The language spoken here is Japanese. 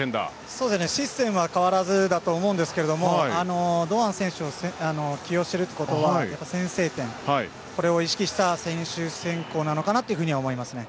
システムは変わらずだと思うんですが堂安選手を起用しているということは先制点を意識した選手選考なのかなと思います。